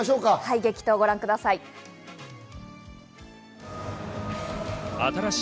激闘をご覧ください。